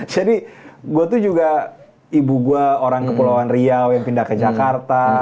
jadi gue tuh juga ibu gue orang kepulauan riau yang pindah ke jakarta